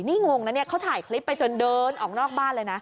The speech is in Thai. นี่งงนะเนี่ยเขาถ่ายคลิปไปจนเดินออกนอกบ้านเลยนะ